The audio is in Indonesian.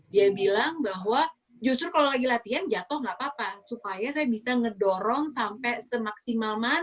dia bilang bahwa justru kalau lagi latihan jatoh gak apa apa supaya saya bisa ngedorong sampai semaksimal mana nih